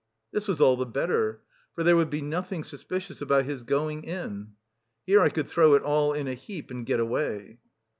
This was all the better, for there would be nothing suspicious about his going in. "Here I could throw it all in a heap and get away!"